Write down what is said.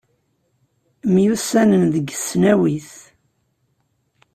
Myussanen deg tesnawit.